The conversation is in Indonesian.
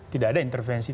tidak ada intervensi